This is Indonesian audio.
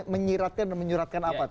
menyiratkan dan menyuratkan apa